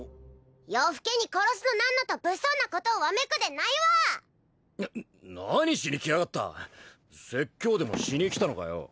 夜更けに殺すのなんのと物騒なことをわめくでないわな何しに来やがった説教でもしに来たのかよ